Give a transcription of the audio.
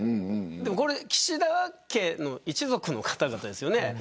岸田家の一族の方々ですよね。